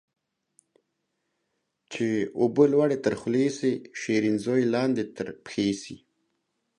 چي اوبه لوړي تر خولې سي ، شيرين زوى لاندي تر پښي سي